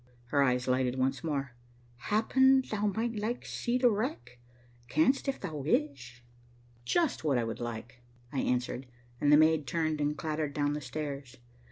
Her eyes lighted once more. "Happen thou might like to see wreck? Canst, if thou wish." "Just what I would like," I answered, and the maid turned and clattered down the stairs.